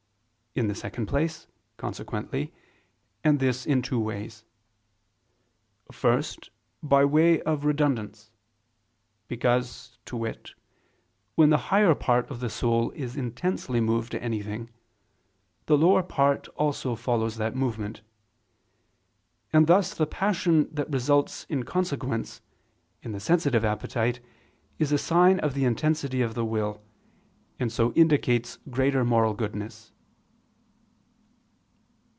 In the second place, consequently: and this in two ways. First, by way of redundance: because, to wit, when the higher part of the soul is intensely moved to anything, the lower part also follows that movement: and thus the passion that results in consequence, in the sensitive appetite, is a sign of the intensity of the will, and so indicates greater moral goodness.